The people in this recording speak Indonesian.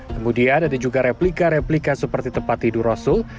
kemudian ada juga replika replika seperti tempat tidur rasul